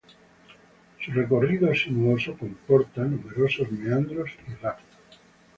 Su recorrido sinuoso comporta numerosos meandros y rápidos.